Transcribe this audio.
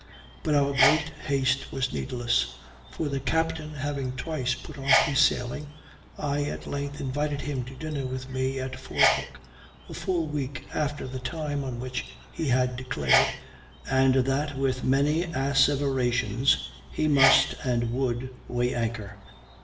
But our great haste was needless; for the captain having twice put off his sailing, I at length invited him to dinner with me at Fordhook, a full week after the time on which he had declared, and that with many asseverations, he must and would weigh anchor.